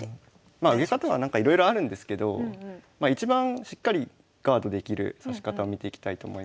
まあ受け方はなんかいろいろあるんですけど一番しっかりガードできる指し方を見ていきたいと思います。